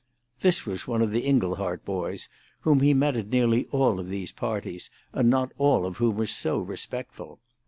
This was one of the Inglehart boys, whom he met at nearly all of these parties, and not all of whom were so respectful.